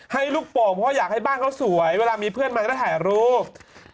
ให้ลูกโป่งเพราะอยากให้บ้านเขาสวยเวลามีเพื่อนมันก็ถ่ายรูป